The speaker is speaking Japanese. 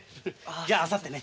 じゃあさってね。